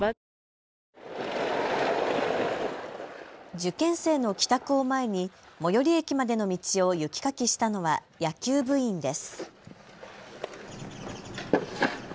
受験生の帰宅を前に最寄り駅までの道を雪かきしたのは野球部員です。